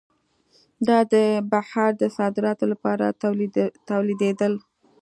دا د بهر ته صادراتو لپاره تولیدېدل.